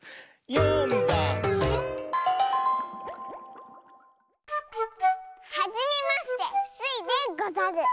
「よんだんす」はじめましてスイでござる。